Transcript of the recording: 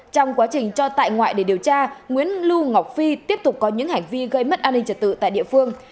trong quá trình cho tại ngoại để điều tra nguyễn lưu ngọc phi tiếp tục có những hành vi gây mất an ninh trật tự tại địa phương